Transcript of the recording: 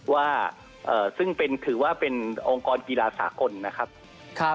ว่าเอ่อซึ่งเป็นถือว่าเป็นองค์กรกีฬาสาหกลนะครับครับ